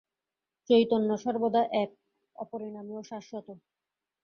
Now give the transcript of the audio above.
চৈতন্য সর্বদা এক, অপরিণামী ও শাশ্বত।